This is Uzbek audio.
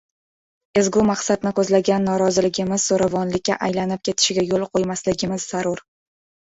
Ezgu maqsadni ko‘zlagan noroziligimiz zo‘ravonlikka aylanib ketishiga yo‘l qo‘ymasligimiz zarur.